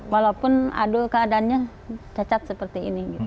walaupun adul keadaannya cacat seperti ini